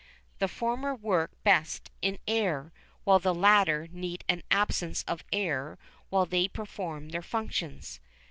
The former work best in air, while the latter need an absence of air while they perform their functions.